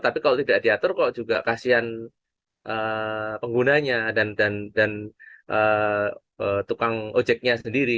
tapi kalau tidak diatur kok juga kasian penggunanya dan tukang ojeknya sendiri